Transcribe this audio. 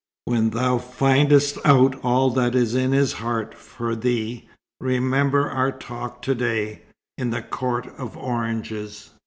When thou findest out all that is in his heart for thee, remember our talk to day, in the court of oranges."